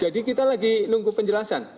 jadi kita lagi nunggu penjelasan